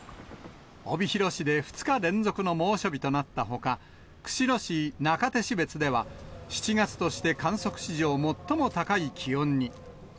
帯広市で２日連続の猛暑日となったほか、釧路市中徹別では、７月として観測史上最も高い気温に。